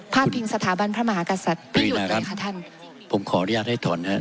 ผ้าพิงสถาบันพระมหากษัตริย์ไม่หยุดเลยค่ะท่านผมขออนุญาตให้ถอนฮะ